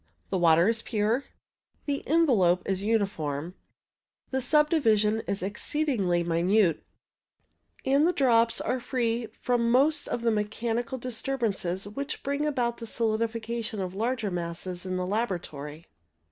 The water is pure, the envelope is uniform, the subdivision is exceedingly minute, and the drops are free from most of the mechanical disturbances which bring about the solidification of larger masses in the laboratory.